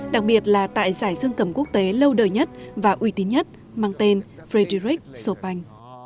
đặc biệt là tại giải dương cầm quốc tế lâu đời nhất và uy tín nhất mang tên fedrich chopin